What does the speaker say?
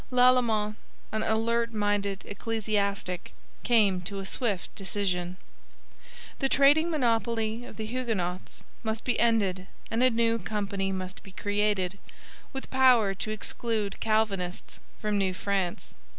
Lalemant, an alert minded ecclesiastic, came to a swift decision. The trading monopoly of the Huguenots must be ended and a new company must be created, with power to exclude Calvinists from New France.